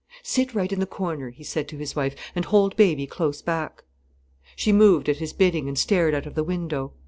"Sit right in the corner," he said to his wife, "and hold baby close back." She moved at his bidding, and stared out of the window.